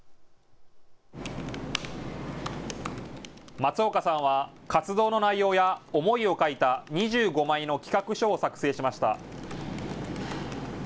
松岡さんは活動の内容や思いを書いた２５枚の企画書を作成しました。